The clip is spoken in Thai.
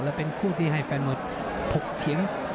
และเป็นคู่ที่ให้แฟนมวยถกเถียง